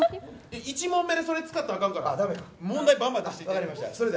１問目でそれ使ったらあかんから問題バンバン出していって。